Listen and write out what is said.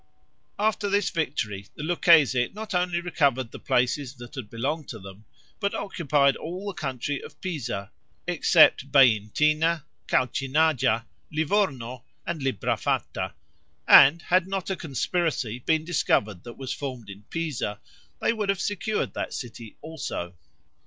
After this victory, the Lucchese not only recovered the places that had belonged to them, but occupied all the country of Pisa except Beintina, Calcinaja, Livorno, and Librafatta; and, had not a conspiracy been discovered that was formed in Pisa, they would have secured that city also.